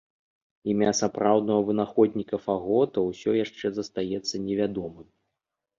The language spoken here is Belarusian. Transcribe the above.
Імя сапраўднага вынаходніка фагота ўсё яшчэ застаецца невядомым.